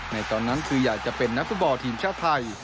ในตอนนั้นคืออยากจะเป็นนักฟุตบอลทีมชาติไทย